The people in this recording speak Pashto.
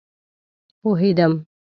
پوهيدم